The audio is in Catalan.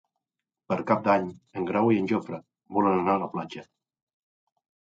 Per Cap d'Any en Grau i en Jofre volen anar a la platja.